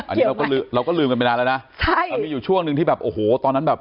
อันนี้เราก็เราก็ลืมกันไปนานแล้วนะใช่เรามีอยู่ช่วงหนึ่งที่แบบโอ้โหตอนนั้นแบบ